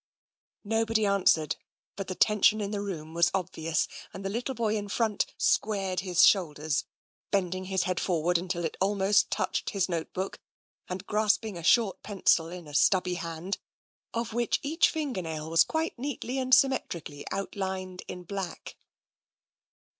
" Nobody answered, but the tension in the room was obvious, and the little boy in front squared his shoul ders, bending his head forward until it almost touched his note book, and grasping a short pencil in a stubby hand of which each fingernail was quite neatly and symmetrically outlined in black.